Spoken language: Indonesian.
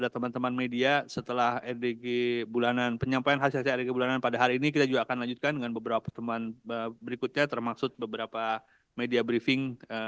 terima kasih pak erwin